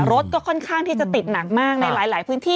รถก็ค่อนข้างที่จะติดหนักมากในหลายพื้นที่